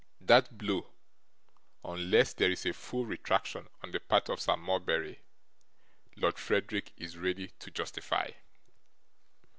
That blow, unless there is a full retraction on the part of Sir Mulberry, Lord Frederick is ready to justify.